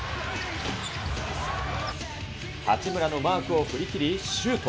八村のマークを振り切り、シュート。